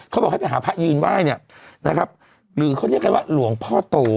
เขาบอกให้ไปหาพระยืนไหว้เนี่ยนะครับหรือเขาเรียกกันว่าหลวงพ่อโต